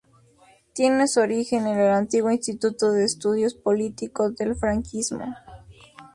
Tiene su origen en el antiguo Instituto de Estudios Políticos del franquismo.